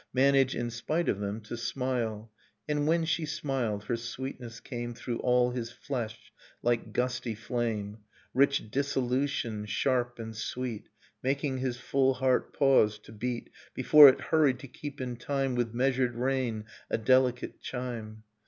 Manage, in spite of them, to smile. And when she smiled her sweetness came Through all his flesh like gusty flame, Rich dissolution, sharp and sweet, Making his full heart pause, to beat, Before it hurried to keep in time With measured rain, a delicate chime.